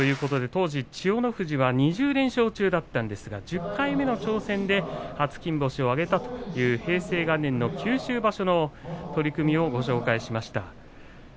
当時、千代の富士が２０連勝中だったんですが１０回目の挑戦で初金星を挙げたという平成元年九州場所の取組をご紹介いたしました。